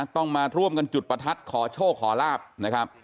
ต้องมาร่วมกันจุดประทัดขอโชคขอลาบนะครับ